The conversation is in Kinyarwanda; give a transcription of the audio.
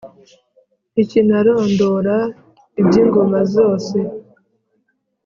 ntikinarondora iby’ingoma zose;